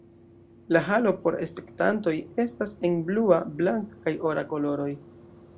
La halo por spektantoj estas en blua, blanka kaj ora koloroj.